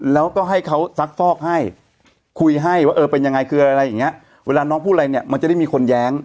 แล้วก็ให้เขาซักฟอกให้คุยให้ว่าเออเป็นยังไงคืออะไรอย่างเงี้ยเวลาน้องพูดอะไรเนี่ยมันจะได้มีคนแย้ง